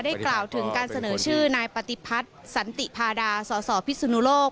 กล่าวถึงการเสนอชื่อนายปฏิพัฒน์สันติพาดาสสพิสุนุโลก